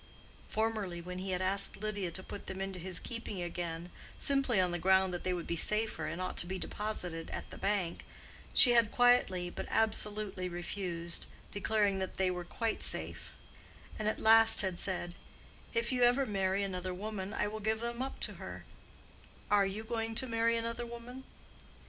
Formerly when he had asked Lydia to put them into his keeping again, simply on the ground that they would be safer and ought to be deposited at the bank, she had quietly but absolutely refused, declaring that they were quite safe; and at last had said, "If you ever marry another woman I will give them up to her: are you going to marry another woman?"